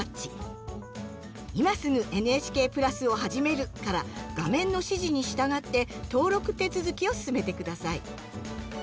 「今すぐＮＨＫプラスをはじめる」から画面の指示に従って登録手続きを進めて下さい。